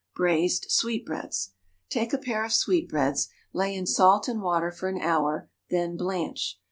Braised Sweetbreads. Take a pair of sweetbreads, lay in salt and water for an hour, then blanch.